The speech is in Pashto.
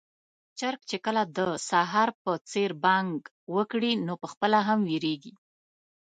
چرګ چې کله د سهار په څېر بانګ وکړي، نو پخپله هم وېريږي.